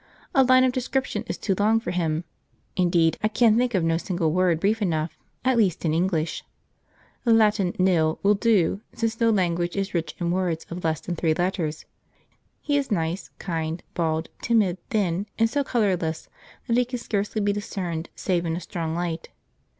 A line of description is too long for him. Indeed, I can think of no single word brief enough, at least in English. The Latin "nil" will do, since no language is rich in words of less than three letters. He is nice, kind, bald, timid, thin, and so colourless that he can scarcely be discerned save in a strong light.